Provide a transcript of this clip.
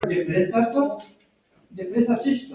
منم دی چې په افغانستان کي يي